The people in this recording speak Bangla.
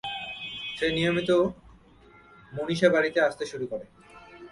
সে নিয়মিত মনীষা বাড়িতে আসতে শুরু করে।